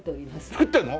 作ってんの？